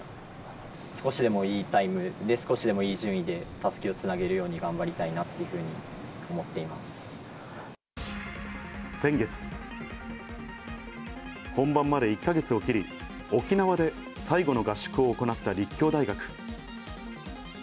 少しでもいいタイムで、少しでもいい順位で、たすきをつなげるように頑張りたいなってい先月、本番まで１か月を切り、沖縄で最後の合宿を行った立教大学。